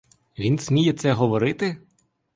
Він сміє це говорити?!